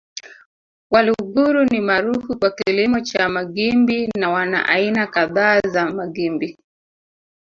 Waluguru ni maarufu kwa kilimo cha magimbi na wana aina kadhaa za magimbi